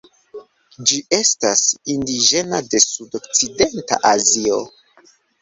Ĝi estas indiĝena de sudokcidenta Azio.